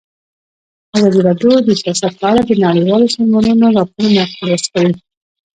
ازادي راډیو د سیاست په اړه د نړیوالو سازمانونو راپورونه اقتباس کړي.